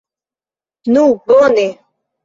Nu, bone.